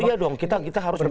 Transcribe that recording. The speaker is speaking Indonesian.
iya dong kita harus berpikir